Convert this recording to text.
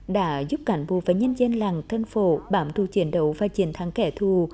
đã giúp cảnh bố với nhân dân làng tân phổ bảm thu chiến đấu và chiến thắng kẻ thù